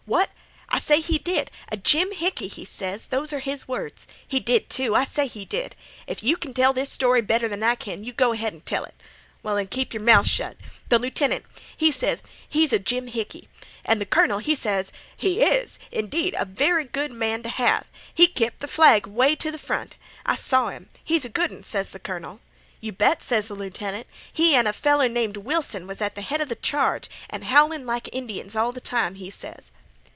What? I say he did. 'A jimhickey,' he ses—those 'r his words. He did, too. I say he did. If you kin tell this story better than I kin, go ahead an' tell it. Well, then, keep yer mouth shet. Th' lieutenant, he ses: 'He's a jimhickey,' and th' colonel, he ses: 'Ahem! ahem! he is, indeed, a very good man t' have, ahem! He kep' th' flag 'way t' th' front. I saw 'im. He's a good un,' ses th' colonel. 'You bet,' ses th' lieutenant, 'he an' a feller named Wilson was at th' head 'a th' charge, an' howlin' like Indians all th' time,' he ses.